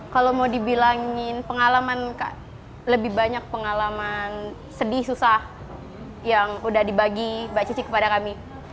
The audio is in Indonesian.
kalau mau dibilangin pengalaman kak lebih banyak pengalaman sedih susah yang udah dibagi mbak cici kepada kami